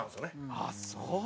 あっそう！